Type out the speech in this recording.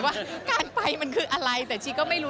ว่าการไปมันคืออะไรแต่ชีก็ไม่รู้